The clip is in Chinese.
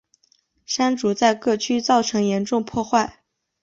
山竹在各区造成严重破坏。